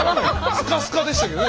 スカスカでしたけどね。